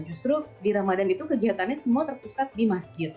justru di ramadan itu kegiatannya semua terpusat di masjid